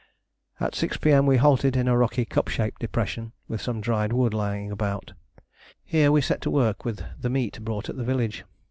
At 6 P.M. we halted in a rocky cup shaped depression with some dried wood lying about. Here we set to work with the meat bought at the village.